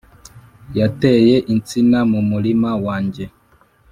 Yateye insina mu murima wanjye